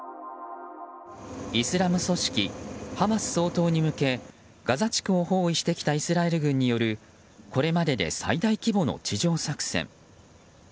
イスラム組織ハマス掃討に向けガザ地区を包囲してきたイスラエル軍によるこれまでで最大規模の地上作戦。